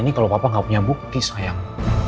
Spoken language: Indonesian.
ini kalau papa nggak punya bukti sayang